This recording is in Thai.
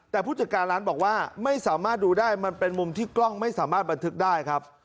แต่ผู้จัดการร้านบอกว่าไม่สามารถดูได้มันเป็นมุมที่กล้องไม่สามารถบันทึกได้ครับ